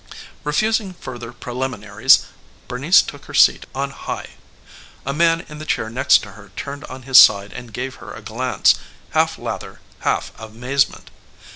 Refusing further preliminaries, Bernice took her seat on high. A man in the chair next to her turned on his side and gave her a glance, half lather, half amazement.